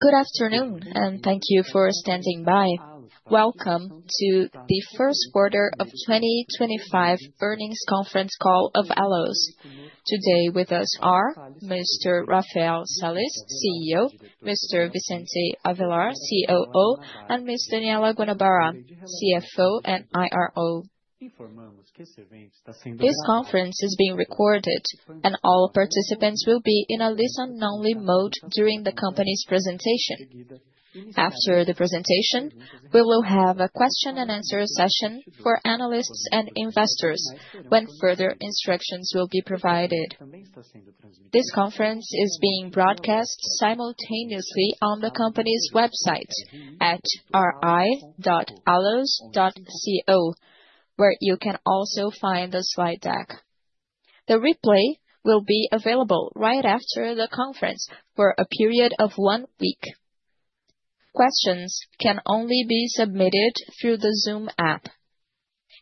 Good afternoon, and thank you for standing by. Welcome to the first quarter of 2025 Earnings Conference Call of ALLOS. Today with us are Mr. Rafael Sales, CEO; Mr. Vicente Avellar, COO; and Ms. Daniella Guanabara, CFO and IRO. This conference is being recorded, and all participants will be in a listen-only mode during the company's presentation. After the presentation, we will have a question-and-answer session for analysts and investors when further instructions will be provided. This conference is being broadcast simultaneously on the company's website at ri.allos.co, where you can also find the slide deck. The replay will be available right after the conference for a period of one week. Questions can only be submitted through the Zoom app.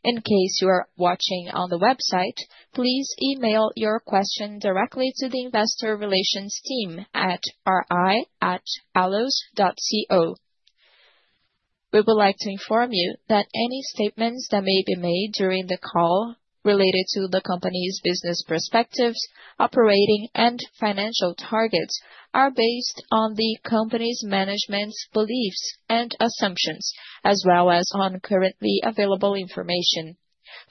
In case you are watching on the website, please email your question directly to the investor relations team at ri@allos.co. We would like to inform you that any statements that may be made during the call related to the company's business perspectives, operating, and financial targets are based on the company's management's beliefs and assumptions, as well as on currently available information.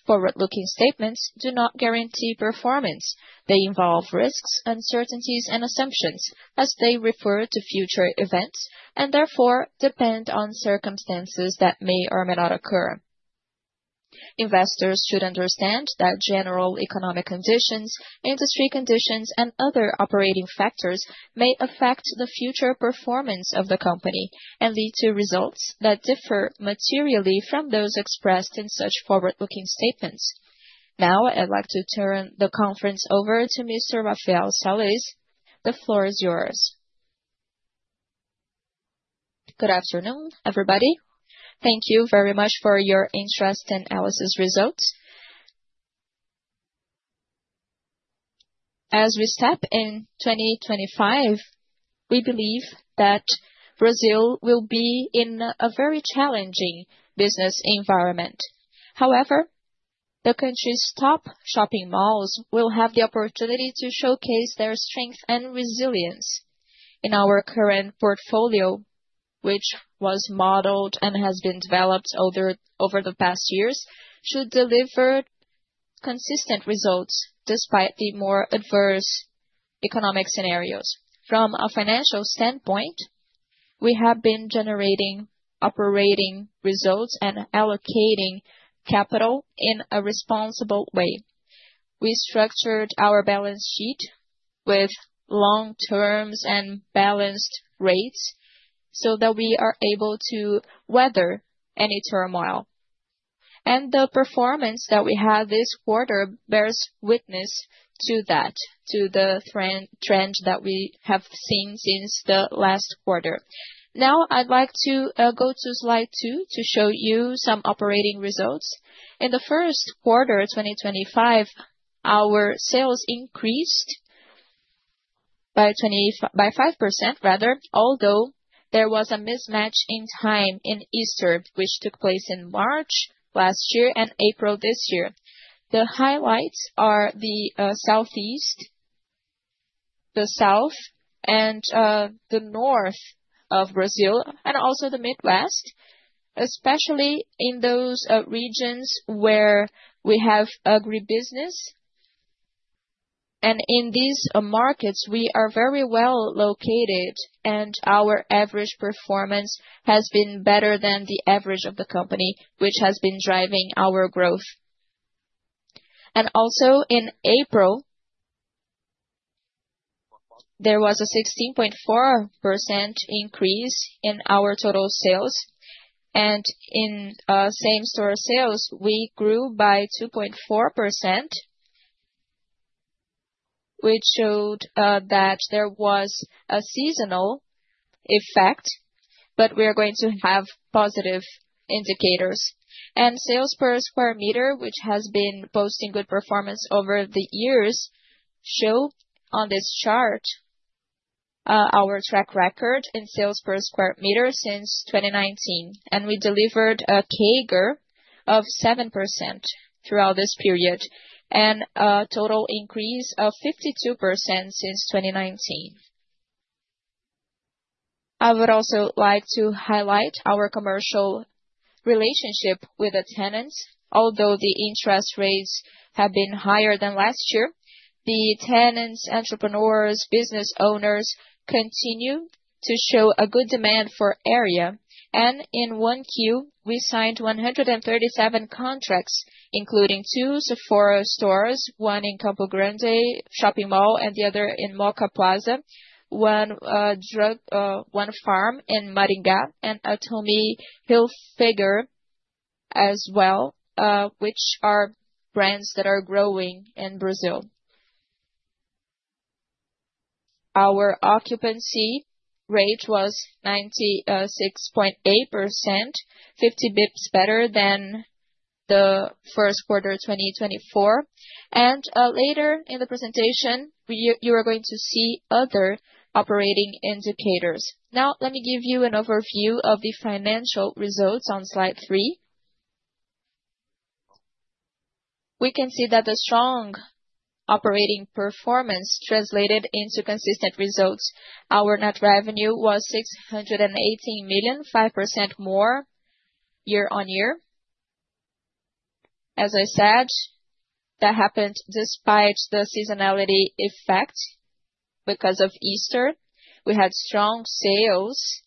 Forward-looking statements do not guarantee performance. They involve risks, uncertainties, and assumptions, as they refer to future events and therefore depend on circumstances that may or may not occur. Investors should understand that general economic conditions, industry conditions, and other operating factors may affect the future performance of the company and lead to results that differ materially from those expressed in such forward-looking statements. Now, I'd like to turn the conference over to Mr. Rafael Sales. The floor is yours. Good afternoon, everybody. Thank you very much for your interest in ALLOS' results. As we step in 2025, we believe that Brazil will be in a very challenging business environment. However, the country's top shopping malls will have the opportunity to showcase their strength and resilience. In our current portfolio, which was modeled and has been developed over the past years, should deliver consistent results despite the more adverse economic scenarios. From a financial standpoint, we have been generating operating results and allocating capital in a responsible way. We structured our balance sheet with long-terms and balanced rates so that we are able to weather any turmoil. The performance that we had this quarter bears witness to that, to the trend that we have seen since the last quarter. Now, I'd like to go to slide two to show you some operating results. In the first quarter of 2025, our sales increased by five percent, rather, although there was a mismatch in time in Eastern, which took place in March last year and April this year. The highlights are the Southeast, the South, and the North of Brazil, and also the Midwest, especially in those regions where we have agribusiness. In these markets, we are very well located, and our average performance has been better than the average of the company, which has been driving our growth. Also, in April, there was a 16.4% increase in our total sales. In same-store sales, we grew by 2.4%, which showed that there was a seasonal effect, but we are going to have positive indicators. Sales per square meter, which has been posting good performance over the years, shows on this chart our track record in sales per square meter since 2019. We delivered a CAGR of seven percent throughout this period and a total increase of 52% since 2019. I would also like to highlight our commercial relationship with the tenants. Although the interest rates have been higher than last year, the tenants, entrepreneurs, and business owners continue to show a good demand for the area. In one queue, we signed 137 contracts, including two Sephora stores, one in Campo Grande shopping mall and the other in Mooca Plaza, one farm in Maringá, and Tommy Hilfiger as well, which are brands that are growing in Brazil. Our occupancy rate was 96.8%, 50 bips better than the first quarter of 2024. Later in the presentation, you are going to see other operating indicators. Now, let me give you an overview of the financial results on slide three. We can see that the strong operating performance translated into consistent results. Our net revenue was 618 million, five percent more year-on-year. As I said, that happened despite the seasonality effect because of Easter. We had strong sales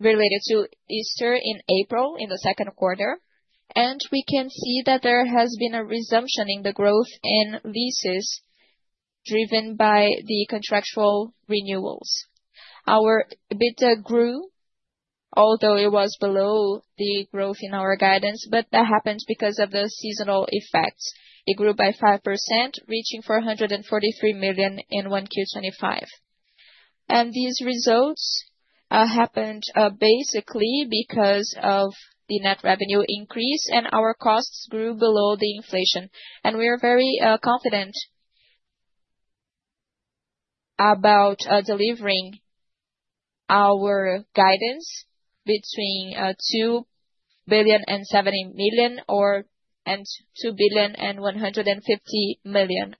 related to Easter in April in the second quarter. We can see that there has been a resumption in the growth in leases driven by the contractual renewals. Our EBITDA grew, although it was below the growth in our guidance, but that happened because of the seasonal effects. It grew by five percent, reaching 443 million in 1Q 2025. These results happened basically because of the net revenue increase, and our costs grew below the inflation. We are very confident about delivering our guidance between 2 billion and 70 million and 2 billion and 150 million.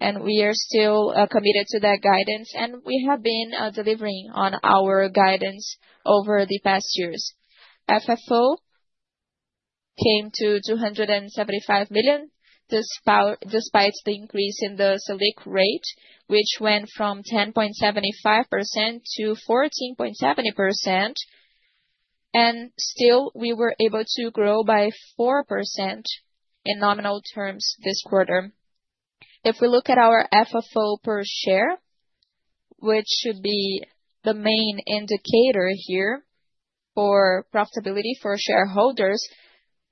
We are still committed to that guidance, and we have been delivering on our guidance over the past years. FFO came to 275 million despite the increase in the SELIC rate, which went from 10.75%-14.70%. Still, we were able to grow by four percent in nominal terms this quarter. If we look at our FFO per share, which should be the main indicator here for profitability for shareholders,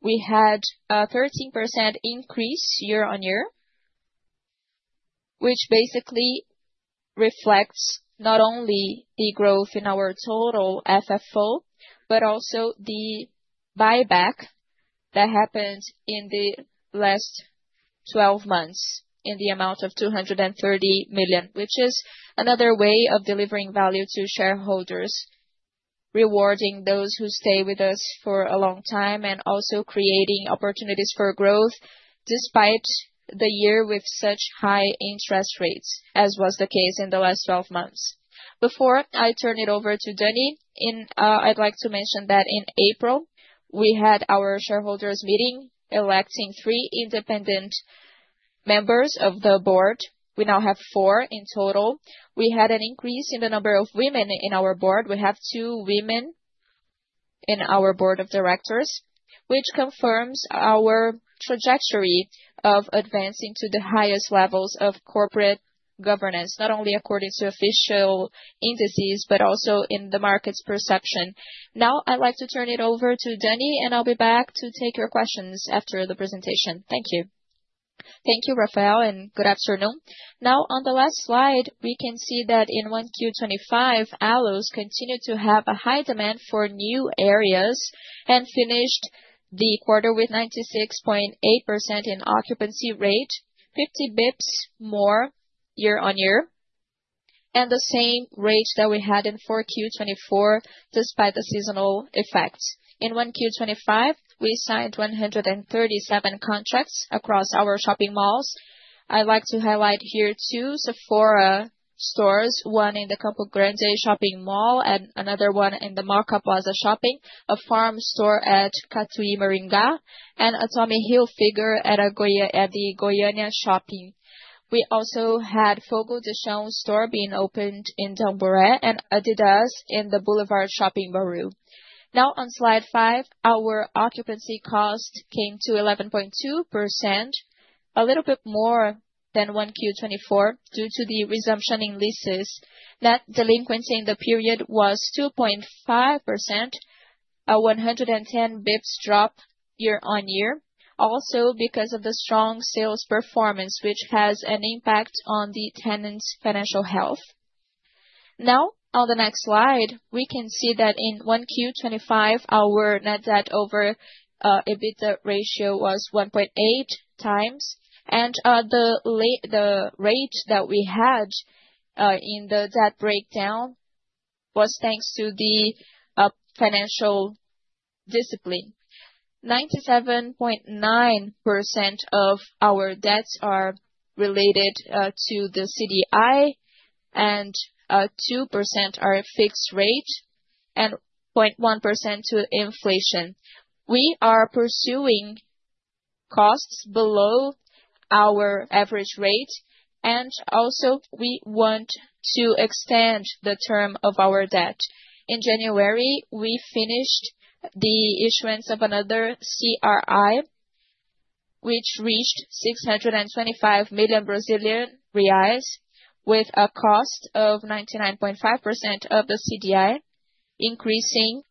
we had a 13% increase year-on-year, which basically reflects not only the growth in our total FFO, but also the buyback that happened in the last 12 months in the amount of 230 million, which is another way of delivering value to shareholders, rewarding those who stay with us for a long time and also creating opportunities for growth despite the year with such high interest rates, as was the case in the last 12 months. Before I turn it over to Dani, I'd like to mention that in April, we had our shareholders' meeting electing three independent members of the board. We now have four in total. We had an increase in the number of women in our board. We have two women in our board of directors, which confirms our trajectory of advancing to the highest levels of corporate governance, not only according to official indices, but also in the market's perception. Now, I'd like to turn it over to Dani, and I'll be back to take your questions after the presentation. Thank you. Thank you, Rafael, and good afternoon. Now, on the last slide, we can see that in 1Q 2025, ALLOS continued to have a high demand for new areas and finished the quarter with 96.8% in occupancy rate, 50 bips more year-on-year, and the same rate that we had in 4Q 2024 despite the seasonal effects. In 1Q 2025, we signed 137 contracts across our shopping malls. I'd like to highlight here two Sephora stores, one in the Campo Grande shopping mall and another one in the Mooca Plaza Shopping, a farm store at Catuaí Maringá, and Tommy Hilfiger at the Goiânia Shopping. We also had Fogo de Chão store being opened in Tamboré and Adidas in the Boulevard Shopping Bauru. Now, on slide five, our occupancy cost came to 11.2%, a little bit more than 1Q 2024 due to the resumption in leases. That delinquency in the period was 2.5%, a 110 bips drop year-on-year, also because of the strong sales performance, which has an impact on the tenants' financial health. Now, on the next slide, we can see that in 1Q 2025, our net debt over EBITDA ratio was 1.8x, and the rate that we had in the debt breakdown was thanks to the financial discipline. 97.9% of our debts are related to the CDI, and two percent are a fixed rate, and 0.1% to inflation. We are pursuing costs below our average rate, and also we want to extend the term of our debt. In January, we finished the issuance of another CRI, which reached 625 million Brazilian reais with a cost of 99.5% of the CDI, increasing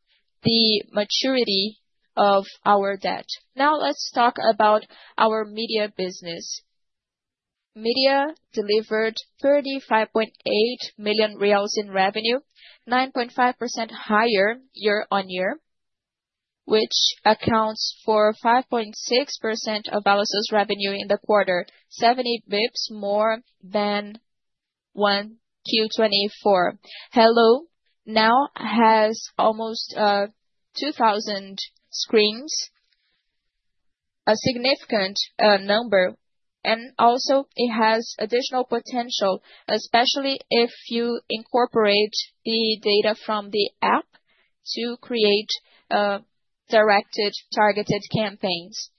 the maturity of our debt. Now, let's talk about our media business. Media delivered 35.8 million reais in revenue, 9.5% higher year-on-year, which accounts for 5.6% of ALLOS' revenue in the quarter, 70 bips more than 1Q 2024. Helloo now has almost 2,000 screens, a significant number, and also it has additional potential, especially if you incorporate the data from the app to create directed targeted campaigns.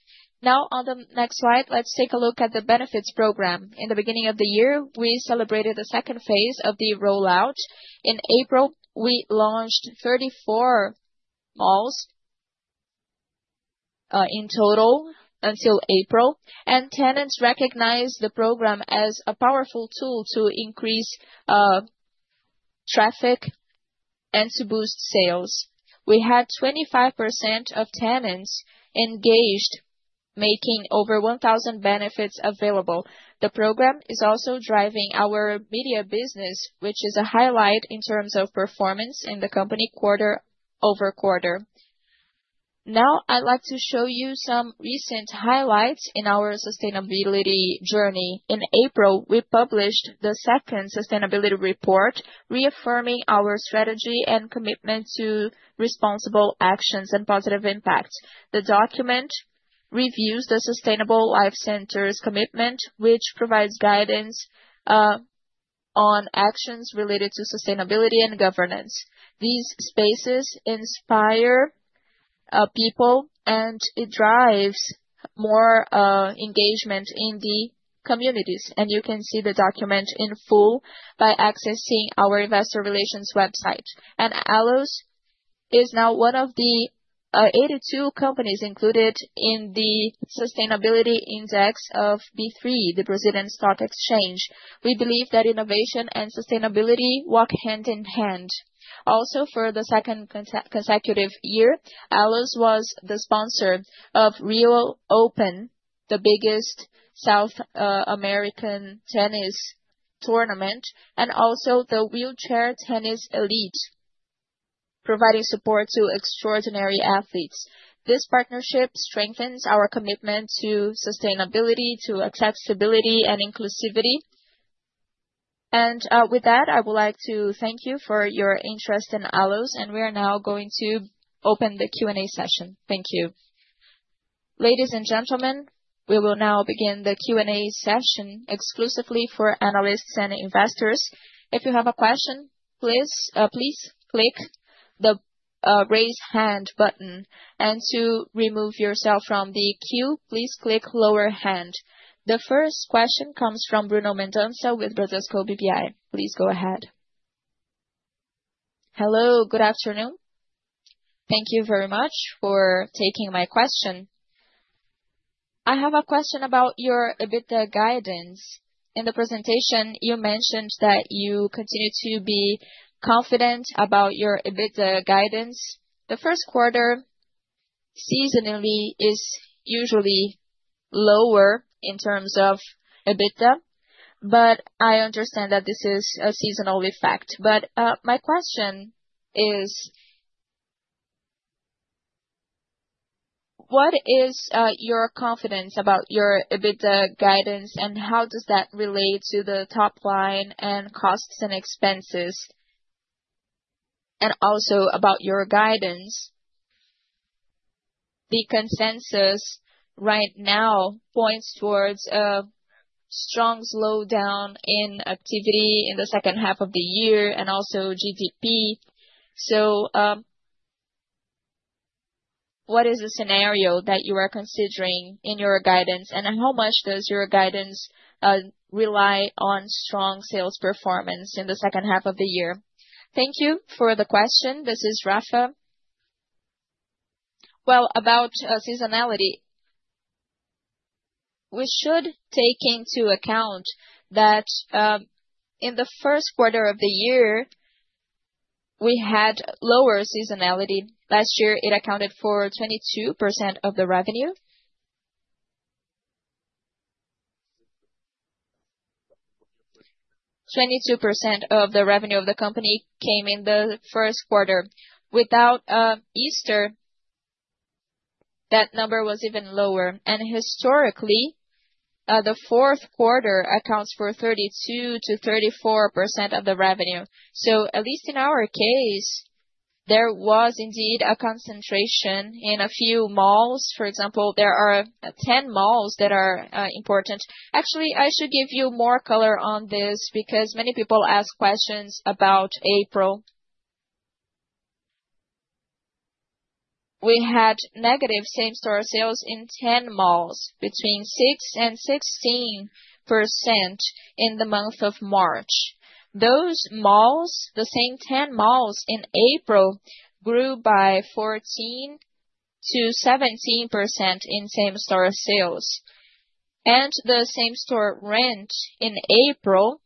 Now, on the next slide, let's take a look at the benefits program. In the beginning of the year, we celebrated the second phase of the rollout. In April, we launched 34 malls in total until April, and tenants recognized the program as a powerful tool to increase traffic and to boost sales. We had 25% of tenants engaged, making over 1,000 benefits available. The program is also driving our media business, which is a highlight in terms of performance in the company quarter-over-quarter. Now, I'd like to show you some recent highlights in our sustainability journey. In April, we published the second sustainability report, reaffirming our strategy and commitment to responsible actions and positive impact. The document reviews the Sustainable Life Center's commitment, which provides guidance on actions related to sustainability and governance. These spaces inspire people, and it drives more engagement in the communities. You can see the document in full by accessing our Investor Relations website. ALLOS is now one of the 82 companies included in the Sustainability Index of B3, the Brazilian Stock Exchange. We believe that innovation and sustainability walk hand in hand. Also, for the second consecutive year, ALLOS was the sponsor of Rio Open, the biggest South American tennis tournament, and also the Wheelchair Tennis Elite, providing support to extraordinary athletes. This partnership strengthens our commitment to sustainability, to accessibility, and inclusivity. With that, I would like to thank you for your interest in ALLOS, and we are now going to open the Q&A session. Thank you. Ladies and gentlemen, we will now begin the Q&A session exclusively for analysts and investors. If you have a question, please click the raise hand button. To remove yourself from the queue, please click lower hand. The first question comes from Bruno Mendonça with Bradesco BBI. Please go ahead. Hello, good afternoon. Thank you very much for taking my question. I have a question about your EBITDA guidance. In the presentation, you mentioned that you continue to be confident about your EBITDA guidance. The first quarter seasonally is usually lower in terms of EBITDA, but I understand that this is a seasonal effect. My question is, what is your confidence about your EBITDA guidance, and how does that relate to the top line and costs and expenses, and also about your guidance? The consensus right now points towards a strong slowdown in activity in the second half of the year and also GDP. What is the scenario that you are considering in your guidance, and how much does your guidance rely on strong sales performance in the second half of the year? Thank you for the question. This is Rafa. About seasonality, we should take into account that in the first quarter of the year, we had lower seasonality. Last year, it accounted for 22% of the revenue. 22% of the revenue of the company came in the first quarter. Without Easter, that number was even lower. Historically, the fourth quarter accounts for 32%-34% of the revenue. At least in our case, there was indeed a concentration in a few malls. For example, there are 10 malls that are important. Actually, I should give you more color on this because many people ask questions about April. We had negative same-store sales in 10 malls between six percent and 16% in the month of March. Those malls, the same 10 malls in April, grew by 14%-17% in same-store sales. The same-store rent in April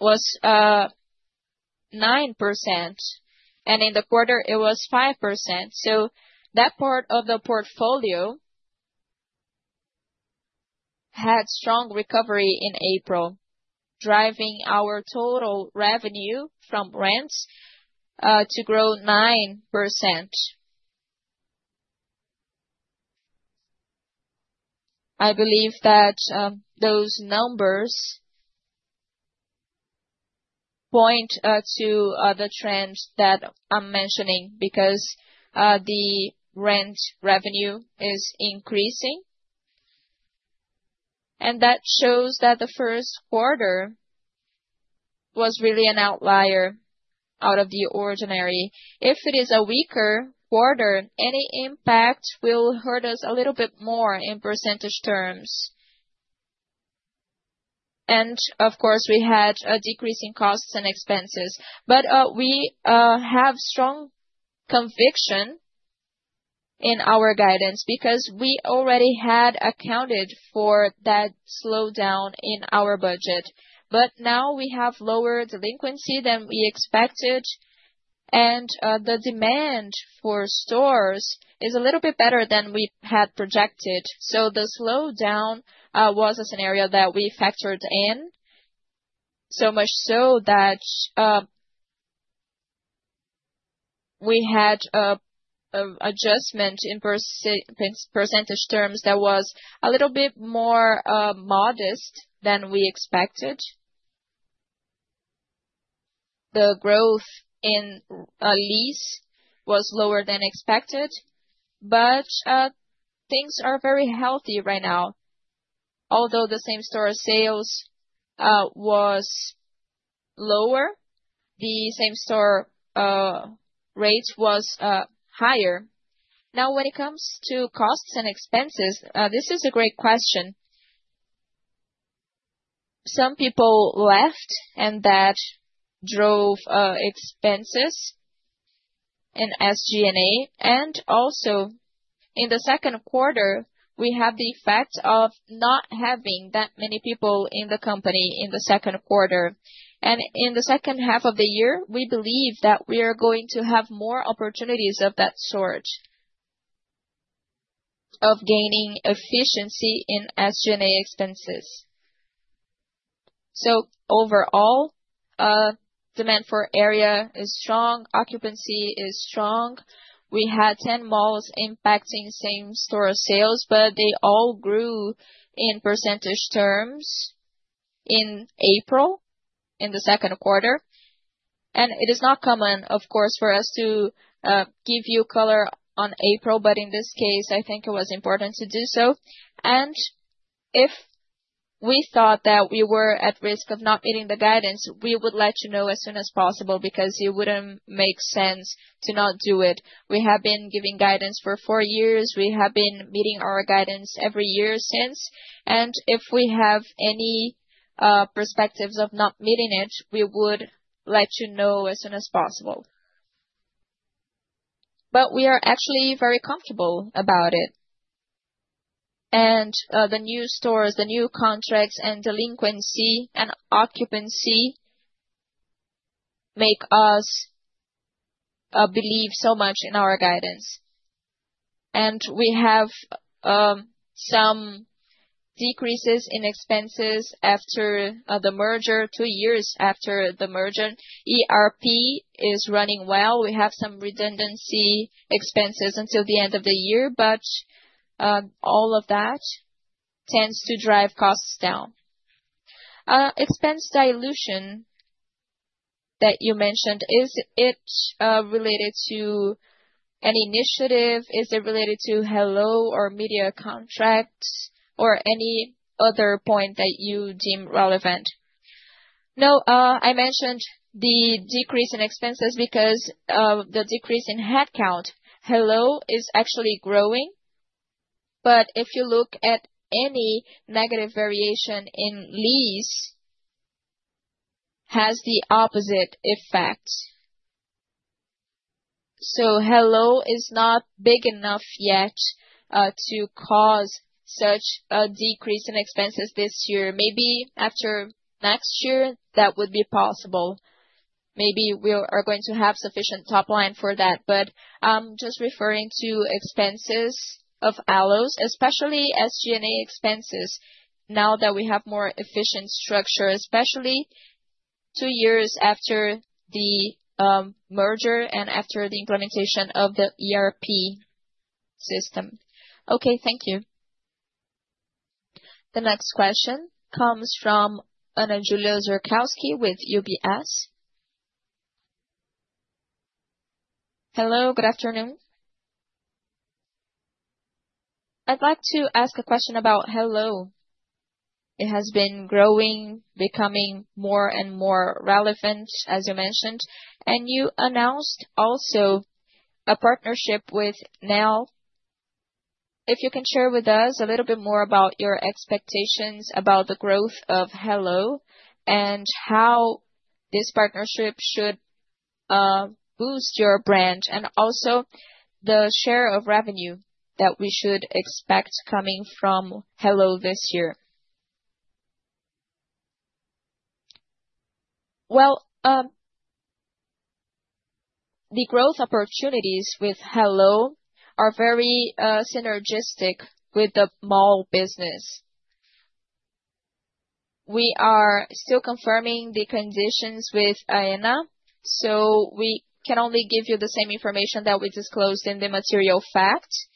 was nice percent, and in the quarter, it was five percent. That part of the portfolio had strong recovery in April, driving our total revenue from rents to grow nine percent. I believe that those numbers point to the trends that I'm mentioning because the rent revenue is increasing. That shows that the first quarter was really an outlier out of the ordinary. If it is a weaker quarter, any impact will hurt us a little bit more in percentage terms. Of course, we had a decrease in costs and expenses. We have strong conviction in our guidance because we already had accounted for that slowdown in our budget. Now we have lower delinquency than we expected, and the demand for stores is a little bit better than we had projected. The slowdown was a scenario that we factored in, so much so that we had an adjustment in percentage terms that was a little bit more modest than we expected. The growth in lease was lower than expected, but things are very healthy right now. Although the same-store sales was lower, the same-store rate was higher. Now, when it comes to costs and expenses, this is a great question. Some people left, and that drove expenses in SG&A. Also, in the second quarter, we have the effect of not having that many people in the company in the second quarter. In the second half of the year, we believe that we are going to have more opportunities of that sort, of gaining efficiency in SG&A expenses. Overall, demand for area is strong, occupancy is strong. We had 10 malls impacting same-store sales, but they all grew in percentage terms in April, in the second quarter. It is not common, of course, for us to give you color on April, but in this case, I think it was important to do so. If we thought that we were at risk of not meeting the guidance, we would let you know as soon as possible because it would not make sense to not do it. We have been giving guidance for four years. We have been meeting our guidance every year since. If we have any perspectives of not meeting it, we would let you know as soon as possible. We are actually very comfortable about it. The new stores, the new contracts, and delinquency and occupancy make us believe so much in our guidance. We have some decreases in expenses after the merger, two years after the merger. ERP is running well. We have some redundancy expenses until the end of the year, but all of that tends to drive costs down. Expense dilution that you mentioned, is it related to any initiative? Is it related to Helloo or media contracts or any other point that you deem relevant? No, I mentioned the decrease in expenses because the decrease in headcount. Helloo is actually growing. If you look at any negative variation in lease, it has the opposite effect. Helloo is not big enough yet to cause such a decrease in expenses this year. Maybe after next year, that would be possible. Maybe we are going to have sufficient top line for that. I am just referring to expenses of ALLOS, especially SG&A expenses, now that we have a more efficient structure, especially two years after the merger and after the implementation of the ERP system. Okay, thank you. The next question comes from Ana Júlia Zerkowski with UBS. Hello, good afternoon. I would like to ask a question about Helloo. It has been growing, becoming more and more relevant, as you mentioned. You announced also a partnership with Now. If you can share with us a little bit more about your expectations about the growth of Helloo and how this partnership should boost your brand and also the share of revenue that we should expect coming from Helloo this year. The growth opportunities with Helloo are very synergistic with the mall business. We are still confirming the conditions with Aena, so we can only give you the same information that we disclosed in the material facts.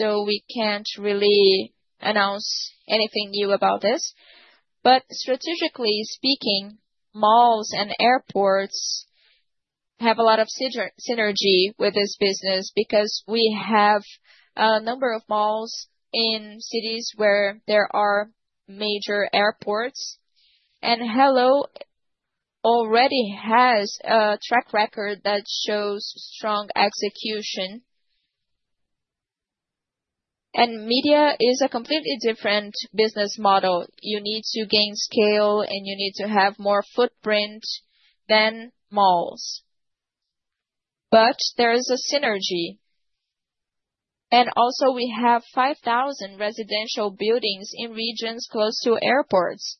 We can't really announce anything new about this. Strategically speaking, malls and airports have a lot of synergy with this business because we have a number of malls in cities where there are major airports. Helloo already has a track record that shows strong execution. Media is a completely different business model. You need to gain scale, and you need to have more footprint than malls. There is a synergy. Also, we have 5,000 residential buildings in regions close to airports.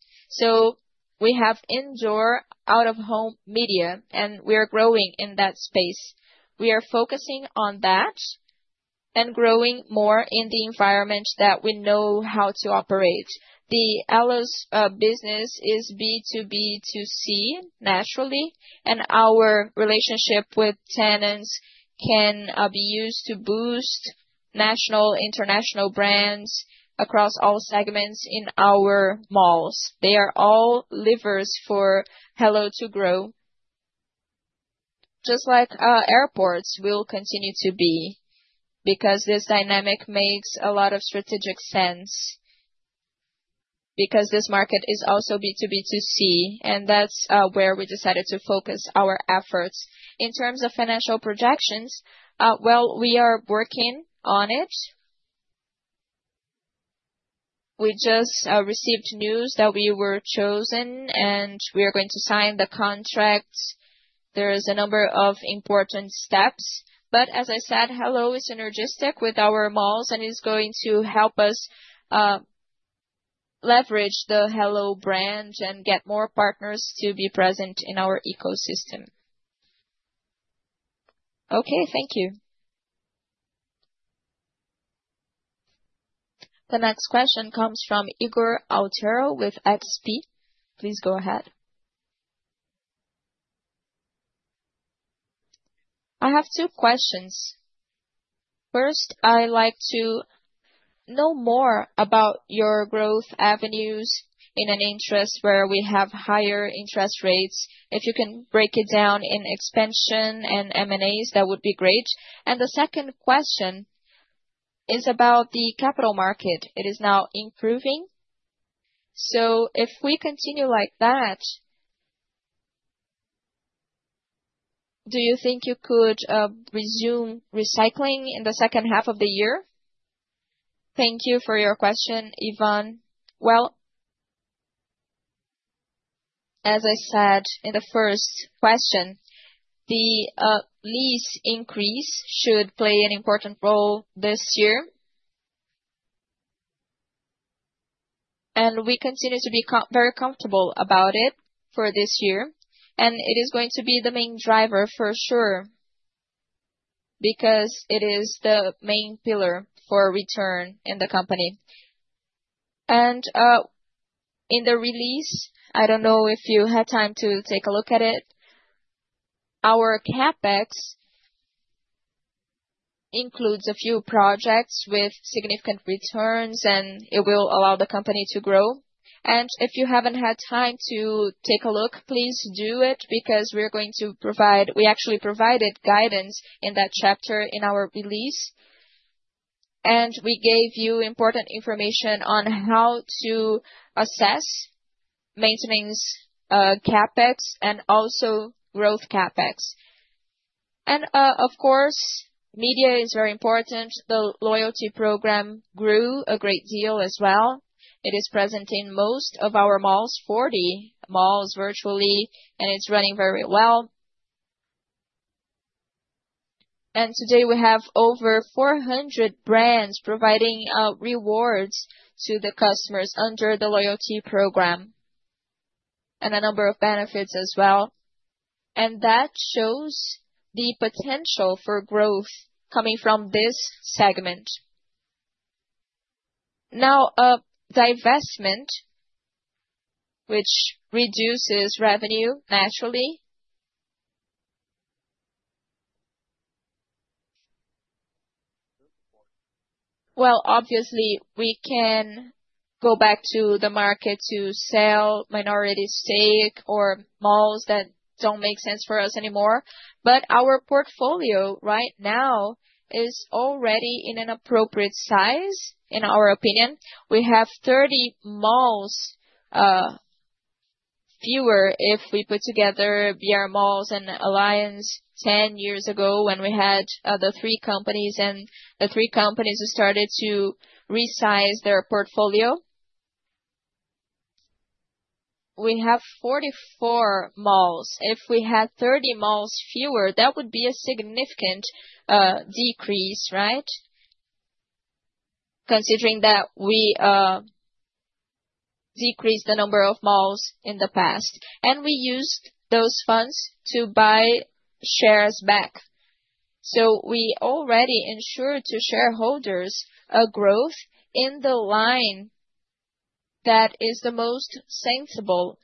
We have indoor, out-of-home media, and we are growing in that space. We are focusing on that and growing more in the environment that we know how to operate. The ALLOS business is B2B2C, naturally, and our relationship with tenants can be used to boost national, international brands across all segments in our malls. They are all levers for Helloo to grow. Just like airports will continue to be because this dynamic makes a lot of strategic sense because this market is also B2B2C, and that is where we decided to focus our efforts. In terms of financial projections, we are working on it. We just received news that we were chosen, and we are going to sign the contract. There are a number of important steps. As I said, Helloo is synergistic with our malls, and it's going to help us leverage the Helloo brand and get more partners to be present in our ecosystem. Okay, thank you. The next question comes from Ygor Altero with XP. Please go ahead. I have two questions. First, I'd like to know more about your growth avenues in an interest where we have higher interest rates. If you can break it down in expansion and M&As, that would be great. The second question is about the capital market. It is now improving. If we continue like that, do you think you could resume recycling in the second half of the year? Thank you for your question, Ygor. As I said in the first question, the lease increase should play an important role this year. We continue to be very comfortable about it for this year. It is going to be the main driver for sure because it is the main pillar for return in the company. In the release, I do not know if you had time to take a look at it. Our CapEx includes a few projects with significant returns, and it will allow the company to grow. If you have not had time to take a look, please do it because we are going to provide—we actually provided guidance in that chapter in our release. We gave you important information on how to assess Maintenance CapEx and also Growth CapEx. Of course, media is very important. The loyalty program grew a great deal as well. It is present in most of our malls, 40 malls virtually, and it is running very well. Today, we have over 400 brands providing rewards to the customers under the loyalty program and a number of benefits as well. That shows the potential for growth coming from this segment. Divestment, which reduces revenue naturally, is also an option. Obviously, we can go back to the market to sell minority stake or malls that do not make sense for us anymore. Our portfolio right now is already in an appropriate size, in our opinion. We have 30 malls fewer if we put together brMalls and Aliansce 10 years ago when we had the three companies, and the three companies started to resize their portfolio. We have 44 malls. If we had 30 malls fewer, that would be a significant decrease, right? Considering that we decreased the number of malls in the past. We used those funds to buy shares back. We already ensured to shareholders a growth in the line that is the most sensible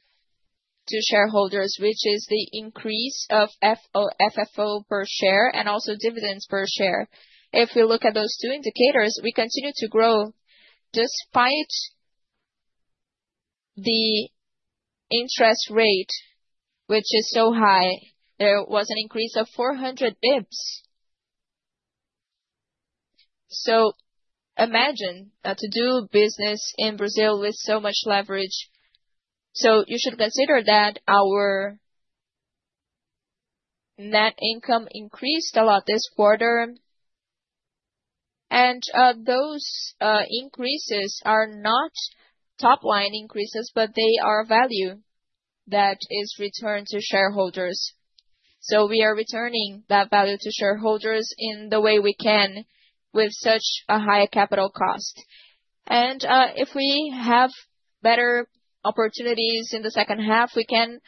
to shareholders, which is the increase of FFO per share and also dividends per share. If we look at those two indicators, we continue to grow despite the interest rate, which is so high. There was an increase of 400 bips. Imagine to do business in Brazil with so much leverage. You should consider that our net income increased a lot this quarter. Those increases are not top-line increases, but they are value that is returned to shareholders. We are returning that value to shareholders in the way we can with such a high capital cost. If we have better opportunities in the second half, we can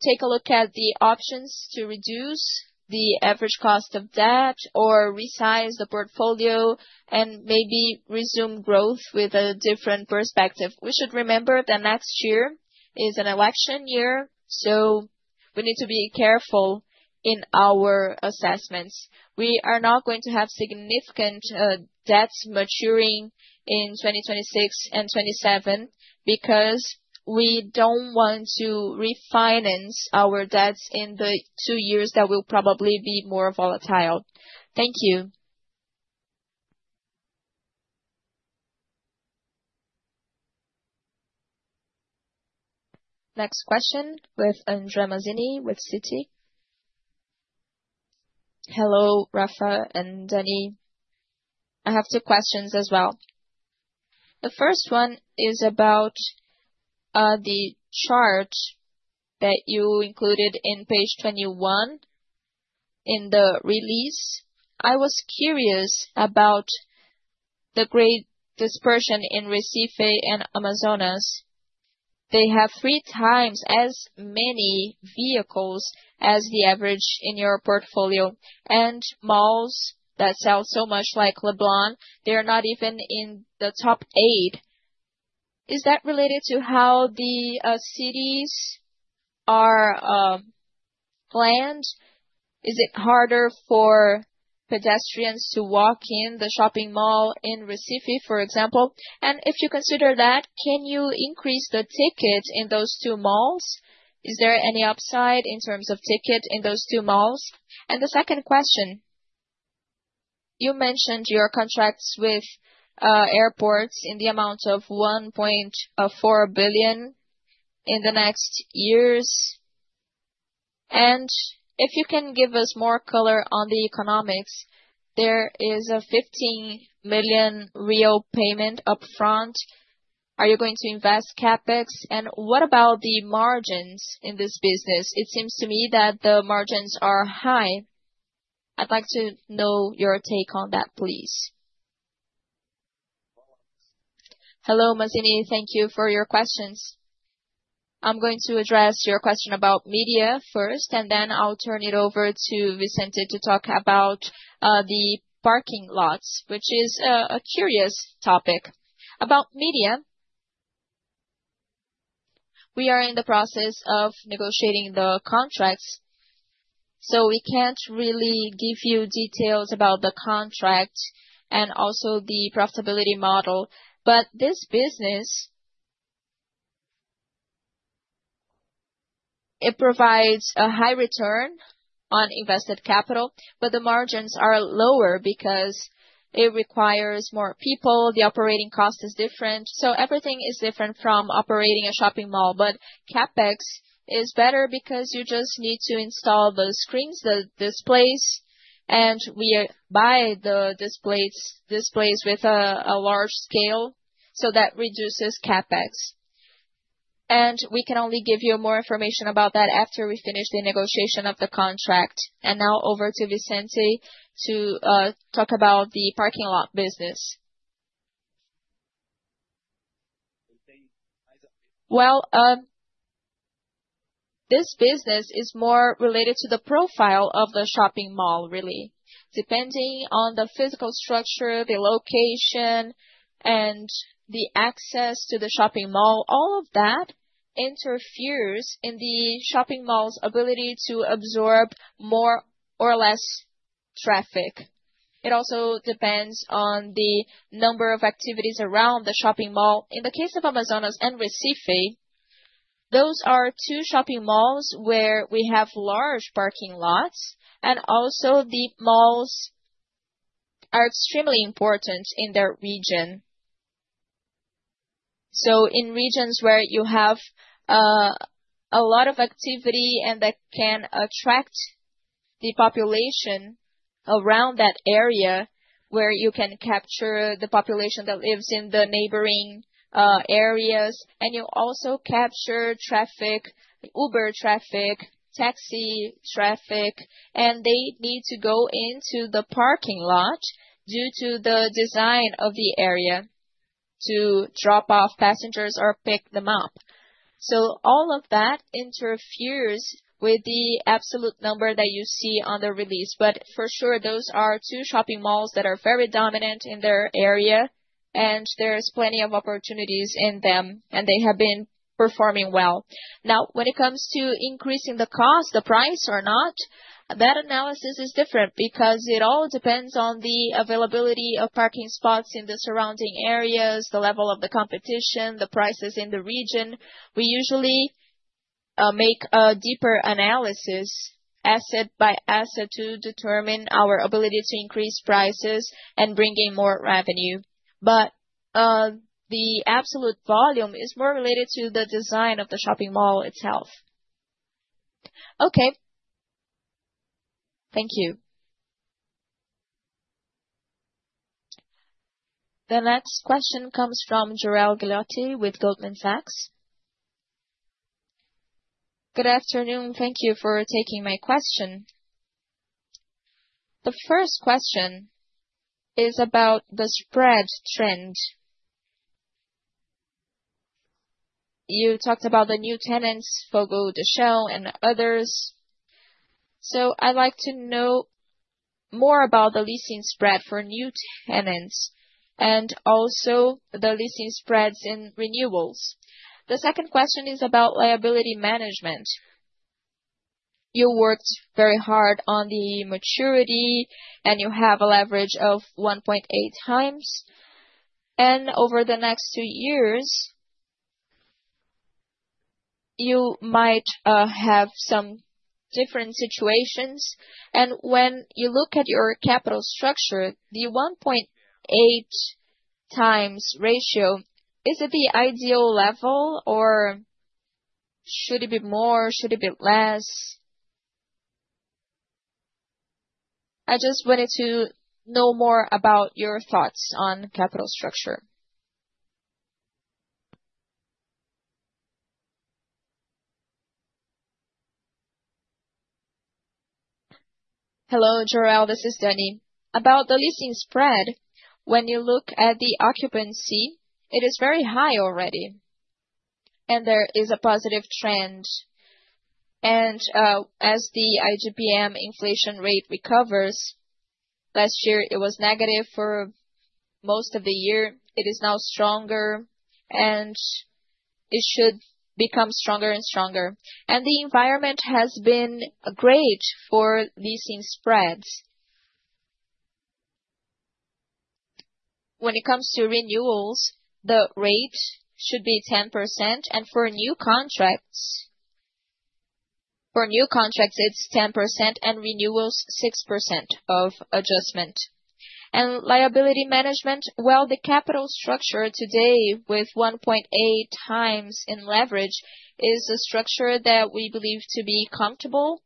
take a look at the options to reduce the average cost of that or resize the portfolio and maybe resume growth with a different perspective. We should remember that next year is an election year, so we need to be careful in our assessments. We are not going to have significant debts maturing in 2026 and 2027 because we do not want to refinance our debts in the two years that will probably be more volatile. Thank you. Next question with Andre Mazini with Citi. Hello, Rafa and Dani. I have two questions as well. The first one is about the chart that you included in page 21 in the release. I was curious about the great dispersion in Recife and Amazonas. They have three times as many vehicles as the average in your portfolio. Malls that sell so much like Leblon, they are not even in the top eight. Is that related to how the cities are planned? Is it harder for pedestrians to walk in the shopping mall in Recife, for example? If you consider that, can you increase the tickets in those two malls? Is there any upside in terms of tickets in those two malls? The second question, you mentioned your contracts with airports in the amount of 1.4 billion in the next years. If you can give us more color on the economics, there is a 15 million real payment upfront. Are you going to invest CapEx? What about the margins in this business? It seems to me that the margins are high. I'd like to know your take on that, please. Hello, Mazini. Thank you for your questions. I'm going to address your question about media first, and then I'll turn it over to Vicente to talk about the parking lots, which is a curious topic. About media, we are in the process of negotiating the contracts. We can't really give you details about the contract and also the profitability model. This business provides a high return on invested capital, but the margins are lower because it requires more people. The operating cost is different. Everything is different from operating a shopping mall. CapEx is better because you just need to install those screens, the displays, and we buy the displays with a large scale. That reduces CapEx. We can only give you more information about that after we finish the negotiation of the contract. Now over to Vicente to talk about the parking lot business. This business is more related to the profile of the shopping mall, really. Depending on the physical structure, the location, and the access to the shopping mall, all of that interferes in the shopping mall's ability to absorb more or less traffic. It also depends on the number of activities around the shopping mall. In the case of Amazonas and Recife, those are two shopping malls where we have large parking lots, and also the malls are extremely important in their region. In regions where you have a lot of activity and that can attract the population around that area where you can capture the population that lives in the neighboring areas, you also capture traffic, Uber traffic, taxi traffic, and they need to go into the parking lot due to the design of the area to drop off passengers or pick them up. All of that interferes with the absolute number that you see on the release. For sure, those are two shopping malls that are very dominant in their area, and there are plenty of opportunities in them, and they have been performing well. Now, when it comes to increasing the cost, the price or not, that analysis is different because it all depends on the availability of parking spots in the surrounding areas, the level of the competition, the prices in the region. We usually make a deeper analysis asset by asset to determine our ability to increase prices and bring in more revenue. The absolute volume is more related to the design of the shopping mall itself. Okay. Thank you. The next question comes from Jorel Guilloty with Goldman Sachs. Good afternoon. Thank you for taking my question. The first question is about the spread trend. You talked about the new tenants, Fogo de Chão, and others. I would like to know more about the leasing spread for new tenants and also the leasing spreads in renewals. The second question is about liability management. You worked very hard on the maturity, and you have a leverage of 1.8x. Over the next two years, you might have some different situations. When you look at your capital structure, the 1.8x ratio, is it the ideal level or should it be more? Should it be less? I just wanted to know more about your thoughts on capital structure. Hello, Jorel. This is Dani. About the leasing spread, when you look at the occupancy, it is very high already, and there is a positive trend. As the IGPM inflation rate recovers, last year it was negative for most of the year. It is now stronger, and it should become stronger and stronger. The environment has been great for leasing spreads. When it comes to renewals, the rate should be 10%. For new contracts, it is 10% and renewals six percent of adjustment. Liability management, the capital structure today with 1.8x in leverage is a structure that we believe to be comfortable.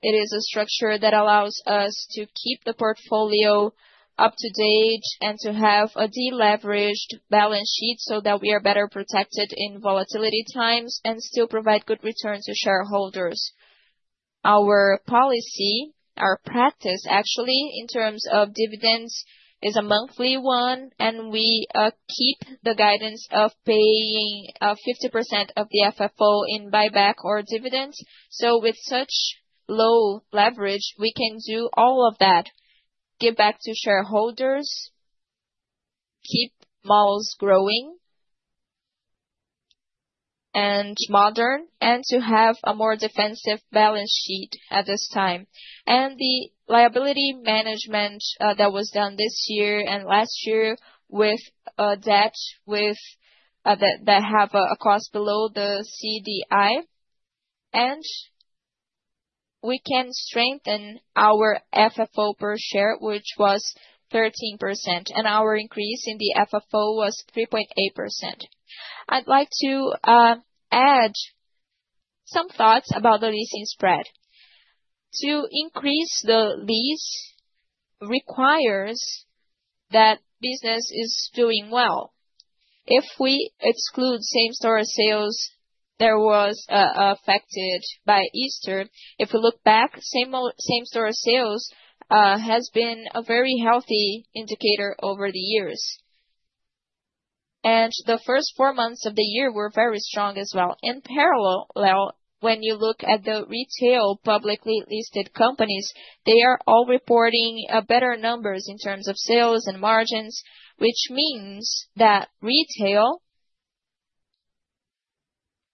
It is a structure that allows us to keep the portfolio up to date and to have a deleveraged balance sheet so that we are better protected in volatility times and still provide good returns to shareholders. Our policy, our practice actually in terms of dividends is a monthly one, and we keep the guidance of paying 50% of the FFO in buyback or dividends. With such low leverage, we can do all of that, give back to shareholders, keep malls growing and modern, and have a more defensive balance sheet at this time. The liability management that was done this year and last year with a debt that has a cost below the CDI, and we can strengthen our FFO per share, which was 13%, and our increase in the FFO was 3.8%. I'd like to add some thoughts about the leasing spread. To increase the lease requires that business is doing well. If we exclude same-store sales, there was affected by Easter. If we look back, same-store sales has been a very healthy indicator over the years. The first four months of the year were very strong as well. In parallel, when you look at the retail publicly listed companies, they are all reporting better numbers in terms of sales and margins, which means that retail,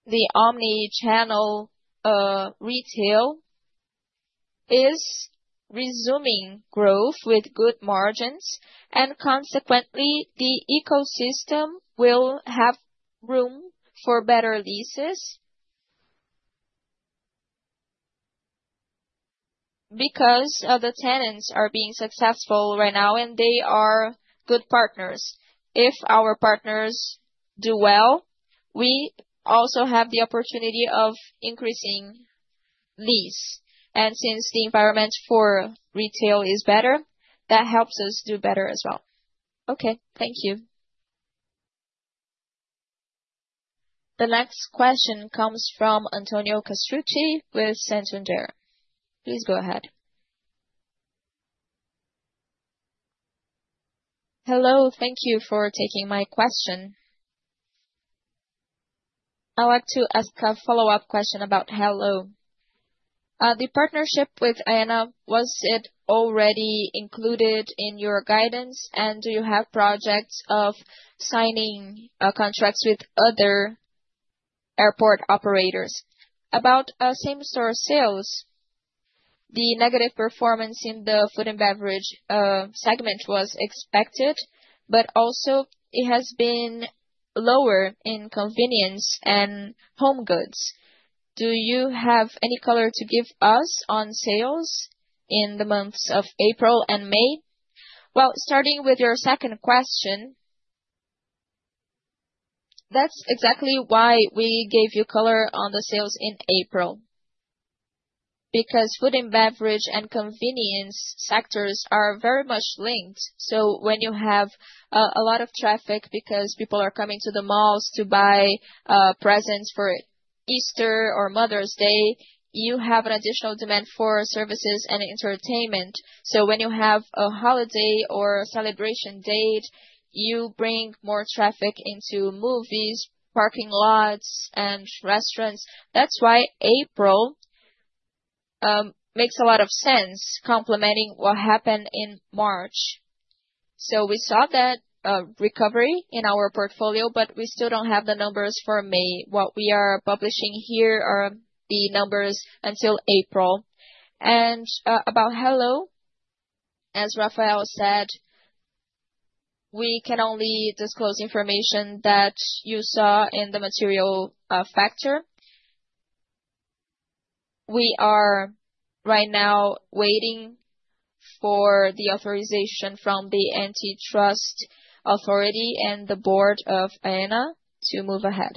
the omnichannel retail, is resuming growth with good margins. Consequently, the ecosystem will have room for better leases because the tenants are being successful right now, and they are good partners. If our partners do well, we also have the opportunity of increasing lease. Since the environment for retail is better, that helps us do better as well. Okay. Thank you. The next question comes from Antonio Castrucci with Santander. Please go ahead. Hello. Thank you for taking my question. I'd like to ask a follow-up question about Helloo. The partnership with Aena, was it already included in your guidance, and do you have projects of signing contracts with other airport operators? About same-store sales, the negative performance in the food and beverage segment was expected, but also it has been lower in convenience and home goods. Do you have any color to give us on sales in the months of April and May? Starting with your second question, that's exactly why we gave you color on the sales in April, because food and beverage and convenience sectors are very much linked. When you have a lot of traffic because people are coming to the malls to buy presents for Easter or Mother's Day, you have an additional demand for services and entertainment. When you have a holiday or celebration date, you bring more traffic into movies, parking lots, and restaurants. That's why April makes a lot of sense, complementing what happened in March. We saw that recovery in our portfolio, but we still do not have the numbers for May. What we are publishing here are the numbers until April. About Helloo, as Rafael said, we can only disclose information that you saw in the material factor. We are right now waiting for the authorization from the antitrust authority and the board of Aena to move ahead.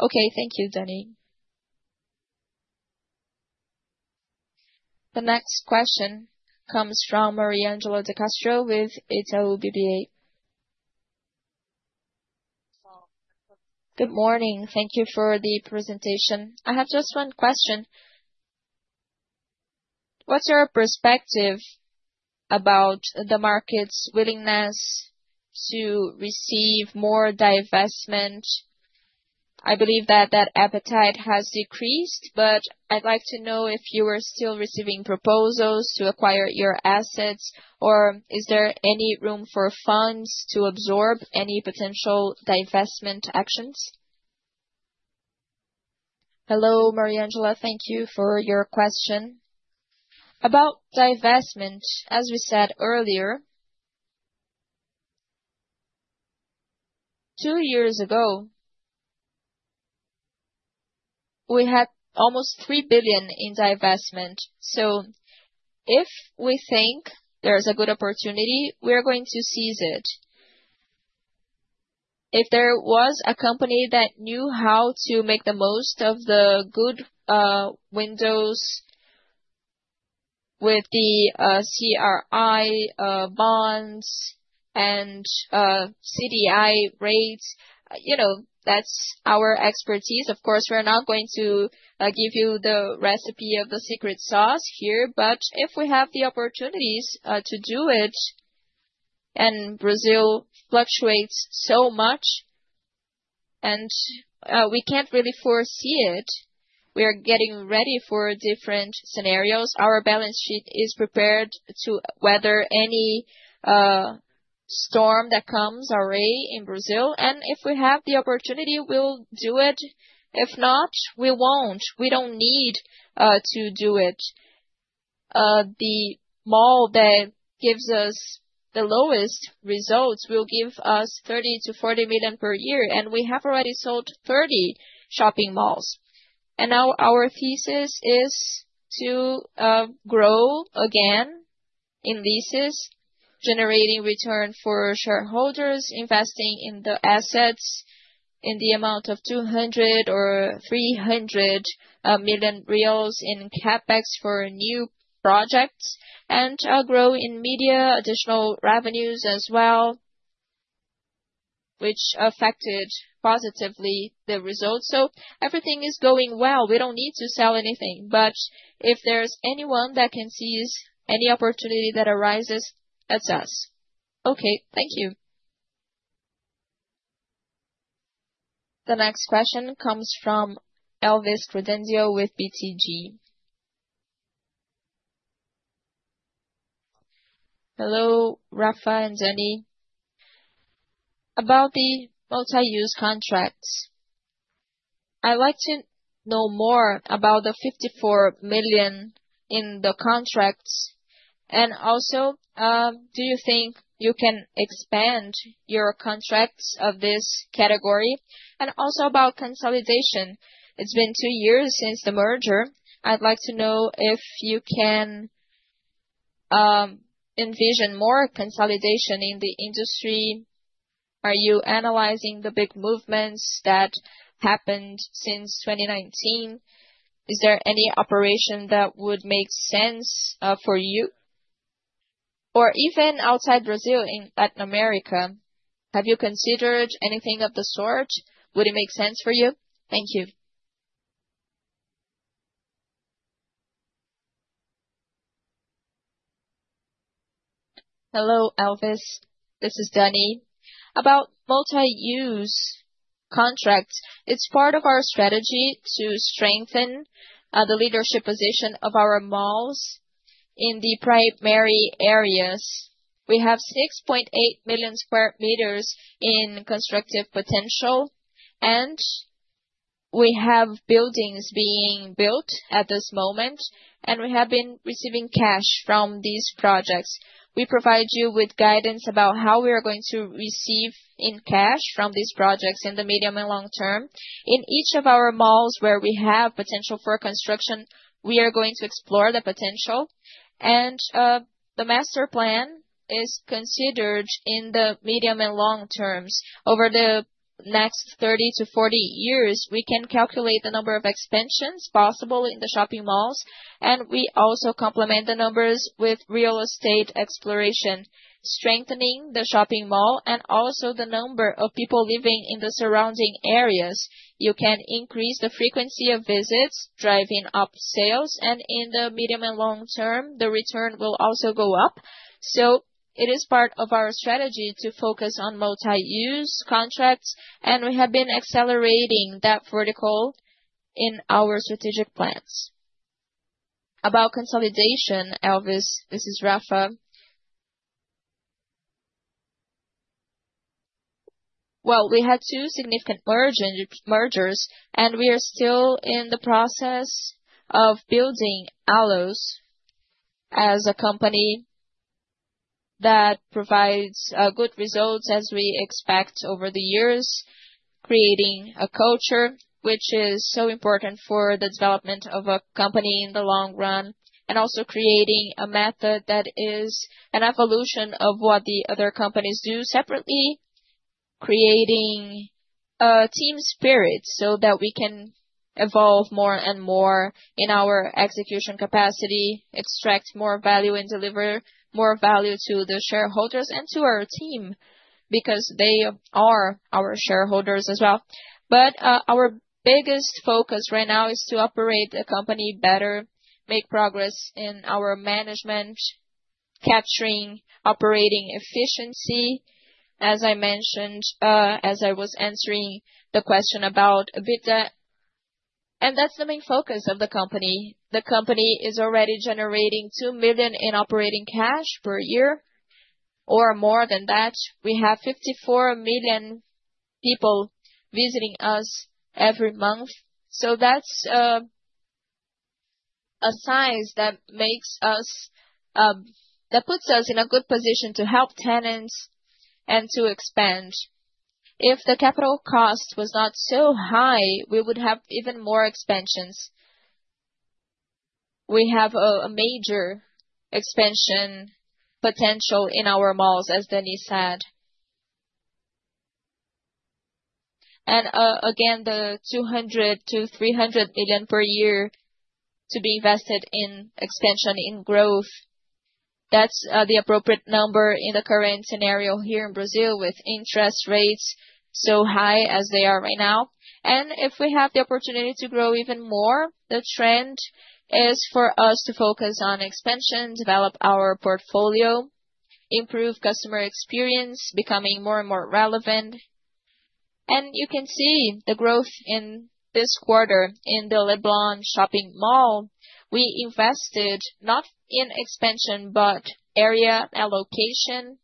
Okay. Thank you, Dani. The next question comes from Mariangela Castro with Itaú BBA. Good morning. Thank you for the presentation. I have just one question. What is your perspective about the market's willingness to receive more divestment? I believe that appetite has decreased, but I would like to know if you are still receiving proposals to acquire your assets, or is there any room for funds to absorb any potential divestment actions? Hello, Mariangela. Thank you for your question. About divestment, as we said earlier, two years ago, we had almost 3 billion in divestment. If we think there is a good opportunity, we are going to seize it. If there was a company that knew how to make the most of the good windows with the CRI bonds and CDI rates, that is our expertise. Of course, we are not going to give you the recipe of the secret sauce here, but if we have the opportunities to do it, and Brazil fluctuates so much and we cannot really foresee it, we are getting ready for different scenarios. Our balance sheet is prepared to weather any storm that comes our way in Brazil. If we have the opportunity, we will do it. If not, we will not. We do not need to do it. The mall that gives us the lowest results will give us 30 million-40 million per year, and we have already sold 30 shopping malls. Now our thesis is to grow again in leases, generating return for shareholders, investing in the assets in the amount of 200 million or 300 million reais in CapEx for new projects, and grow in media additional revenues as well, which affected positively the results. Everything is going well. We do not need to sell anything, but if there is anyone that can seize any opportunity that arises, that is us. Okay. Thank you. The next question comes from Elvis Credendio with BTG. Hello, Rafa and Dani. About the multi-use contracts, I would like to know more about the 54 million in the contracts. Do you think you can expand your contracts of this category? Also about consolidation. It has been two years since the merger. I'd like to know if you can envision more consolidation in the industry. Are you analyzing the big movements that happened since 2019? Is there any operation that would make sense for you? Or even outside Brazil in Latin America, have you considered anything of the sort? Would it make sense for you? Thank you. Hello, Elvis. This is Dani. About multi-use contracts, it's part of our strategy to strengthen the leadership position of our malls in the primary areas. We have 6.8 million square meters in constructive potential, and we have buildings being built at this moment, and we have been receiving cash from these projects. We provide you with guidance about how we are going to receive in cash from these projects in the medium and long term. In each of our malls where we have potential for construction, we are going to explore the potential. The master plan is considered in the medium and long terms. Over the next 30-40 years, we can calculate the number of expansions possible in the shopping malls, and we also complement the numbers with real estate exploration, strengthening the shopping mall and also the number of people living in the surrounding areas. You can increase the frequency of visits, driving up sales, and in the medium and long term, the return will also go up. It is part of our strategy to focus on multi-use contracts, and we have been accelerating that vertical in our strategic plans. About consolidation, Elvis, this is Rafa. We had two significant mergers, and we are still in the process of building ALLOS as a company that provides good results as we expect over the years, creating a culture which is so important for the development of a company in the long run, and also creating a method that is an evolution of what the other companies do separately, creating a team spirit so that we can evolve more and more in our execution capacity, extract more value, and deliver more value to the shareholders and to our team because they are our shareholders as well. Our biggest focus right now is to operate the company better, make progress in our management, capturing operating efficiency, as I mentioned as I was answering the question about EBITDA. That is the main focus of the company. The company is already generating 2 million in operating cash per year or more than that. We have 54 million people visiting us every month. That is a size that puts us in a good position to help tenants and to expand. If the capital cost was not so high, we would have even more expansions. We have a major expansion potential in our malls, as Dani said. The 200 million-300 million per year to be invested in expansion and growth, that is the appropriate number in the current scenario here in Brazil with interest rates so high as they are right now. If we have the opportunity to grow even more, the trend is for us to focus on expansion, develop our portfolio, improve customer experience, becoming more and more relevant. You can see the growth in this quarter in the Leblon Shopping mall. We invested not in expansion, but area allocation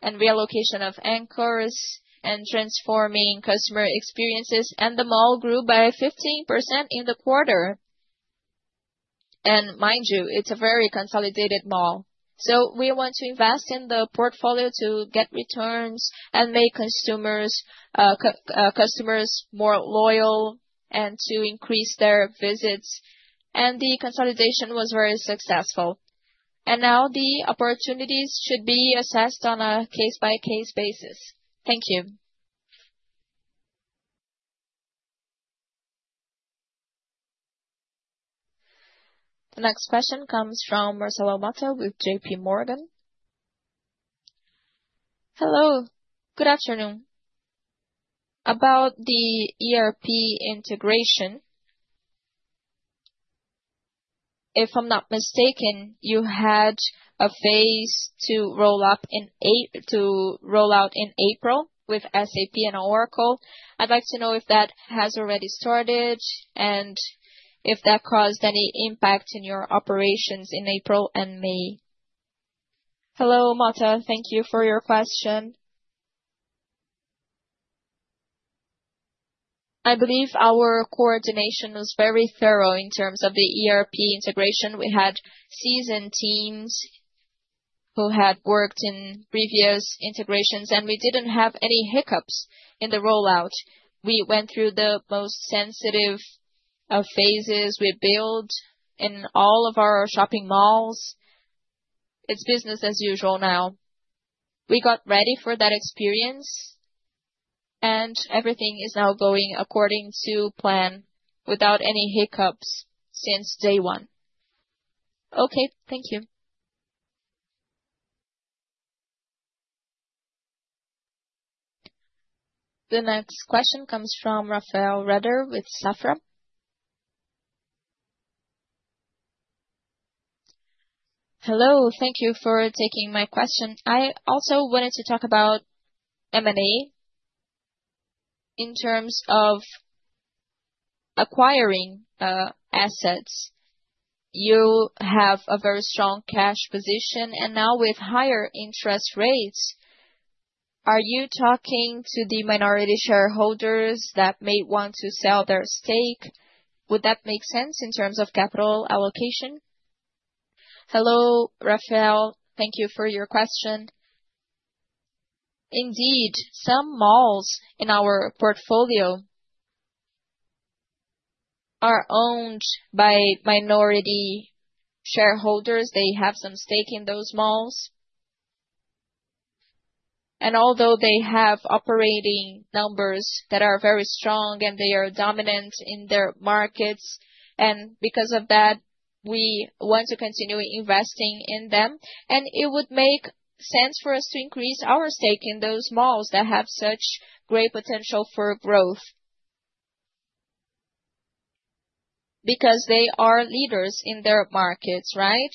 and reallocation of anchors and transforming customer experiences, and the mall grew by 15% in the quarter. Mind you, it is a very consolidated mall. We want to invest in the portfolio to get returns and make customers more loyal and to increase their visits. The consolidation was very successful. Now the opportunities should be assessed on a case-by-case basis. Thank you. The next question comes from Marcelo Motta with JPMorgan. Hello. Good afternoon. About the ERP integration, if I am not mistaken, you had a phase to roll out in April with SAP and Oracle. I would like to know if that has already started and if that caused any impact in your operations in April and May. Hello, Motta. Thank you for your question. I believe our coordination was very thorough in terms of the ERP integration. We had seasoned teams who had worked in previous integrations, and we did not have any hiccups in the rollout. We went through the most sensitive phases we built in all of our shopping malls. It is business as usual now. We got ready for that experience, and everything is now going according to plan without any hiccups since day one. Okay. Thank you. The next question comes from Rafael Rehder with Safra. Hello. Thank you for taking my question. I also wanted to talk about M&A in terms of acquiring assets. You have a very strong cash position, and now with higher interest rates, are you talking to the minority shareholders that may want to sell their stake? Would that make sense in terms of capital allocation? Hello, Rafael. Thank you for your question. Indeed, some malls in our portfolio are owned by minority shareholders. They have some stake in those malls. Although they have operating numbers that are very strong and they are dominant in their markets, and because of that, we want to continue investing in them, and it would make sense for us to increase our stake in those malls that have such great potential for growth because they are leaders in their markets, right?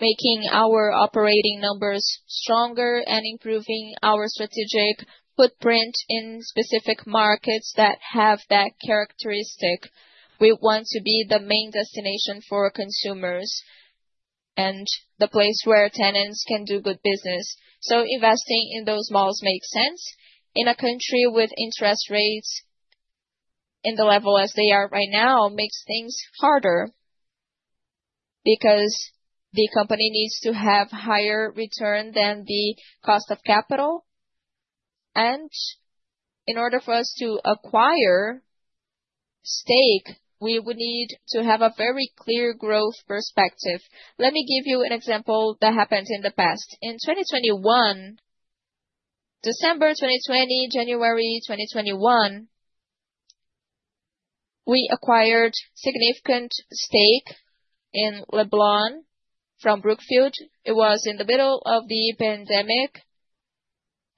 Making our operating numbers stronger and improving our strategic footprint in specific markets that have that characteristic. We want to be the main destination for consumers and the place where tenants can do good business. Investing in those malls makes sense. In a country with interest rates in the level as they are right now, it makes things harder because the company needs to have higher return than the cost of capital. In order for us to acquire stake, we would need to have a very clear growth perspective. Let me give you an example that happened in the past. In 2021, December 2020, January 2021, we acquired significant stake in Leblon from Brookfield. It was in the middle of the pandemic,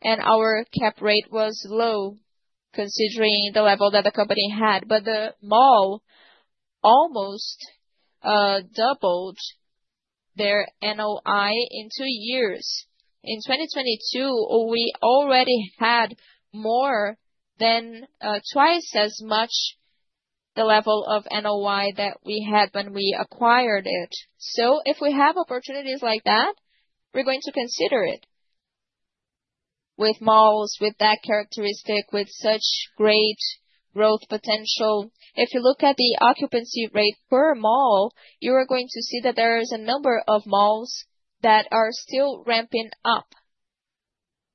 and our cap rate was low considering the level that the company had. The mall almost doubled their NOI in two years. In 2022, we already had more than twice as much the level of NOI that we had when we acquired it. If we have opportunities like that, we are going to consider it with malls with that characteristic, with such great growth potential. If you look at the occupancy rate per mall, you are going to see that there is a number of malls that are still ramping up.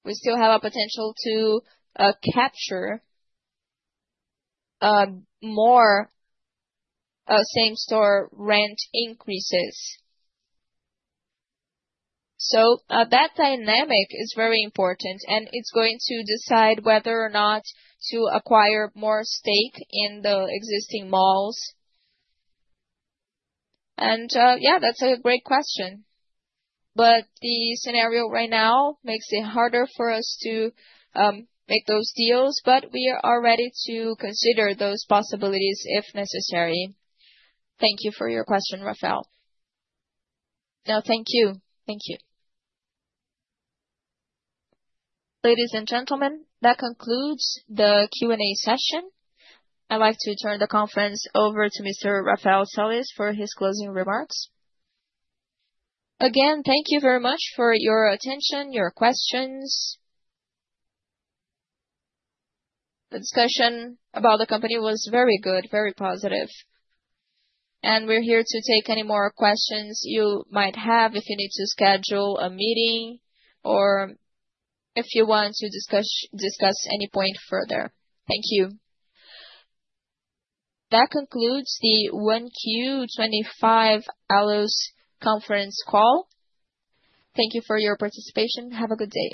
We still have a potential to capture more same-store rent increases. That dynamic is very important, and it's going to decide whether or not to acquire more stake in the existing malls. Yeah, that's a great question. The scenario right now makes it harder for us to make those deals, but we are ready to consider those possibilities if necessary. Thank you for your question, Rafael. No, thank you. Thank you. Ladies and gentlemen, that concludes the Q&A session. I'd like to turn the conference over to Mr. Rafael Sales for his closing remarks. Again, thank you very much for your attention, your questions. The discussion about the company was very good, very positive. We're here to take any more questions you might have if you need to schedule a meeting or if you want to discuss any point further. Thank you. That concludes the 1Q 2025 ALLOS conference call. Thank you for your participation. Have a good day.